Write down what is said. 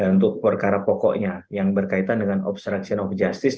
untuk perkara pokoknya yang berkaitan dengan obstruction of justice